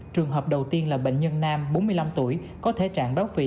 trường hợp đầu tiên là bệnh nhân nam bốn mươi năm tuổi có thể trạng đó phì